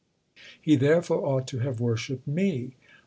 He therefore ought to have worshipped me.